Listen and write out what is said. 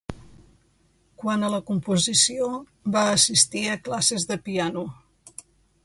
Quant a la composició, va assistir a classes de piano.